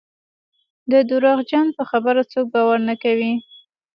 د درواغجن په خبره څوک باور نه کوي.